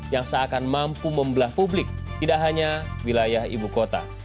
yang seakan mampu membelah publik tidak hanya wilayah ibu kota